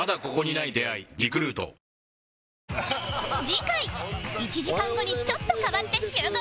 次回「１時間後にちょっと変わって集合な」